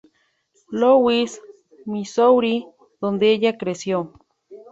Louis, Missouri, donde ella creció.